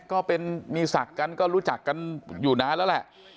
ก็มีศักดิ์กันก็รู้จักกันอยู่นานแล้วแหละ